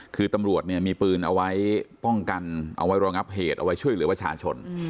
คือตำรวจเนี่ยมีปืนเอาไว้ป้องกันเอาไว้รองับเหตุเอาไว้ช่วยเหลือประชาชน